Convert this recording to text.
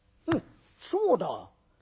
そうだ。